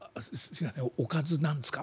「おかず何ですか？」。